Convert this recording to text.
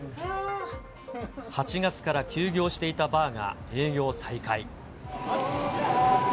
８月から休業していたバーが営業再開。